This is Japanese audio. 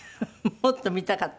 もっと見たかった？